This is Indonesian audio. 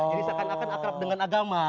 jadi seakan akan akrab dengan agama